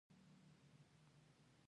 غوږونه د اوریدلو حس لري